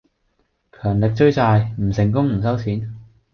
強力追債，唔成功唔收錢!